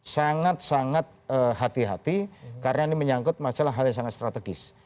sangat sangat hati hati karena ini menyangkut masalah hal yang sangat strategis